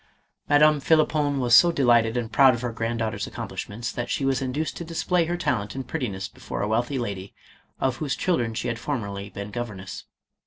Madame Phlippon was so delighted and proud of her grand daughter's accomplishments, that she was induced to display her talent and prettiness before a wealthy lady of whose children she had formerly been governess.